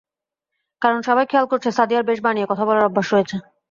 কারণ, সবাই খেয়াল করছে সাদিয়ার বেশ বানিয়ে কথা বলার অভ্যাস রয়েছে।